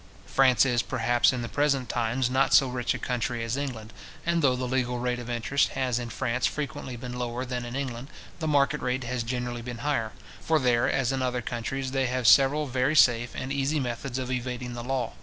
France is, perhaps, in the present times, not so rich a country as England; and though the legal rate of interest has in France frequently been lower than in England, the market rate has generally been higher; for there, as in other countries, they have several very safe and easy methods of evading the law.